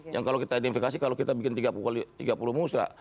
yang kalau kita identifikasi kalau kita bikin tiga puluh musra